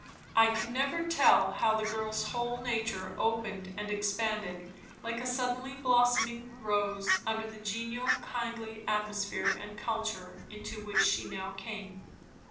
I can never tell how the girl's whole nature opened and expanded, like a suddenly blossoming rose, under the genial, kindly atmosphere and culture into which she now came.